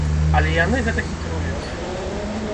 Але яны гэта хітруюць.